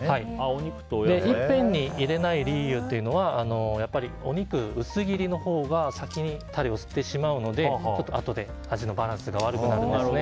いっぺんに入れない理由というのはお肉、薄切りのほうが先にタレを吸ってしまうのであとで味のバランスが悪くなるんですね。